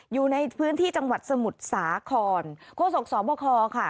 อยู่ในพื้นที่จังหวัดสมุทรสาครโฆษกสอบคอค่ะ